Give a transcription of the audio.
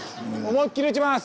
思いっきり打ちます！